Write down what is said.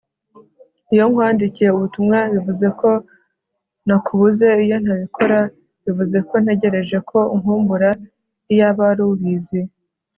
iyo nkwandikiye ubutumwa bivuze ko nakubuze iyo ntabikora bivuze ko ntegereje ko unkumbura iyaba wari ubizi